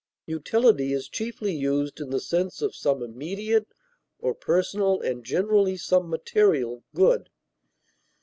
Utility is chiefly used in the sense of some immediate or personal and generally some material good.